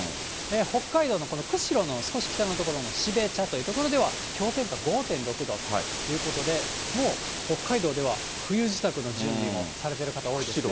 北海道の釧路の少し北の所、標茶という所では、氷点下５．６度ということで、もう北海道では、冬支度の準備もされてる方、多いですね。